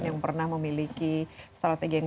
yang pernah memiliki strategi yang